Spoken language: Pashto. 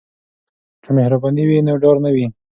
که مهرباني وي نو ډار نه وي.